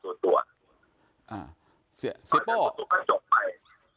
บอกให้ผมช่วยว่าเขาทะเลาะกับคนชื่ออาร์ตแล้วกินกันพี่ช่วยเป็นแบบให้ผมหน่อยได้ไหม